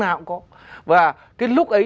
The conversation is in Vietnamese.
nào cũng có và cái lúc ấy